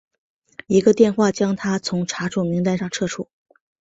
一个电话将他从查处名单上撤除。